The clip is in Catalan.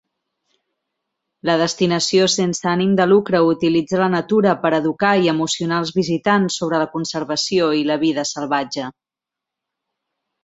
La destinació sense ànim de lucre utilitza la natura per educar i emocionar els visitants sobre la conservació i la vida salvatge.